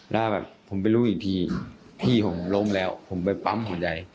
แล้วแบบผมไปรู้อีกทีพี่ผมล้มแล้วผมไปปั๊มหัวใจ